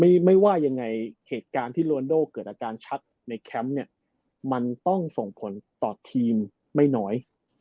ไม่ไม่ว่ายังไงเหตุการณ์ที่โรนโดเกิดอาการชักในแคมป์เนี่ยมันต้องส่งผลต่อทีมไม่น้อย